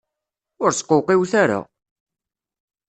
Ur sqewqiwet ara!